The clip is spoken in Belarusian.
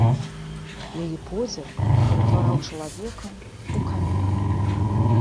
Яе позірк ператвараў чалавека ў камень.